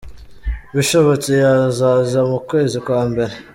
Bishobotse yazaza mu kwezi kwa mbere.